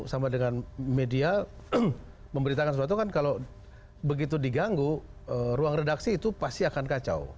sama dengan media memberitakan sesuatu kan kalau begitu diganggu ruang redaksi itu pasti akan kacau